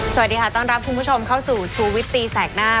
สวัสดีค่ะต้อนรับคุณผู้ชมเข้าสู่ชูวิตตีแสกหน้า